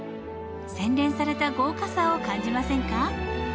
洗練された豪華さを感じませんか？